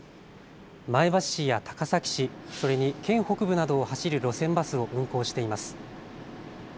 前橋市や高崎市、それに県北部などを走る路線バスを運行しています。